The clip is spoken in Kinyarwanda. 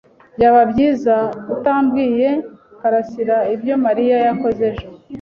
Byaba byiza utabwiye karasira ibyo Mariya yakoze ejo.